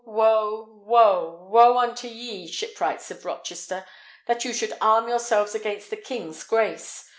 woe! woe! Woe unto ye, shipwrights of Rochester, that you should arm yourselves against the king's grace!